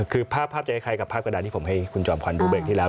คือภาพภาพจะเฮียคลัยกับภาพกระดานที่ผมให้คุณจอมควัญดูเรียกที่แล้ว